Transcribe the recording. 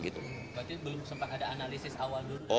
berarti belum sempat ada analisis awal dulu